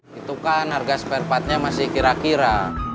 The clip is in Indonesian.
hai itu kan harga spare partnya masih kira kira